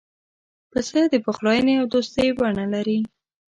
پسه د پخلاینې او دوستی بڼه لري.